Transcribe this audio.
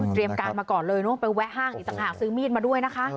การมาก่อนเลยเนอะไปแวะห้างอีกต่างหากซื้อมีดมาด้วยนะคะ